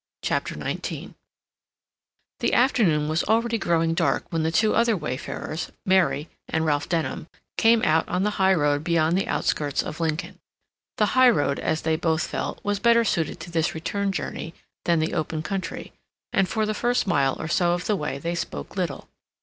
CHAPTER XIX The afternoon was already growing dark when the two other wayfarers, Mary and Ralph Denham, came out on the high road beyond the outskirts of Lincoln. The high road, as they both felt, was better suited to this return journey than the open country, and for the first mile or so of the way they spoke little.